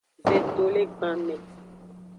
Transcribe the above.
Vetolegbanme.